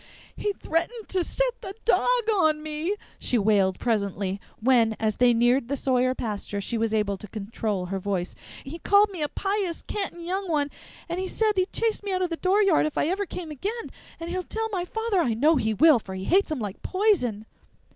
"He threatened to set the dog on me!" she wailed presently, when, as they neared the Sawyer pasture, she was able to control her voice. "He called me a pious, cantin' young one, and said he'd chase me out o' the dooryard if I ever came again! And he'll tell my father I know he will, for he hates him like poison."